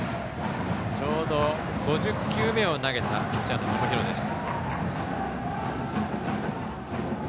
ちょうど５０球目を投げたピッチャーの友廣です。